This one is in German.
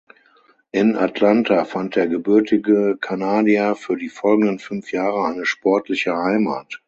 In Atlanta fand der gebürtige Kanadier für die folgenden fünf Jahre eine sportliche Heimat.